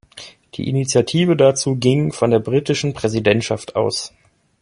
Die Initiative dazu ging von der britischen Präsidentschaft aus.